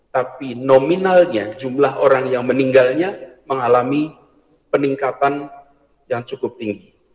tapi nominalnya jumlah orang yang meninggalnya mengalami peningkatan yang cukup tinggi